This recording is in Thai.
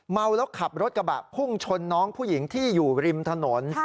เมาแล้วขับรถกระบะพุ่งชนน้องผู้หญิงที่อยู่ริมถนน